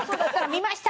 「見ました」。